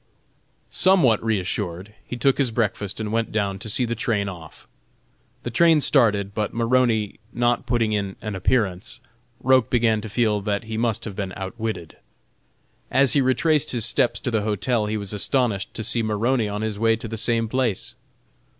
Somewhat reassured, he took his breakfast and went down to see the train off. The train started, but Maroney not putting in an appearance, Roch began to feel that he must have been outwitted. As he retraced his steps to the hotel he was astonished to see Maroney on his way to the same place.